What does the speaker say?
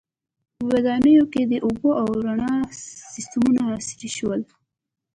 • ودانیو کې د اوبو او رڼا سیستمونه عصري شول.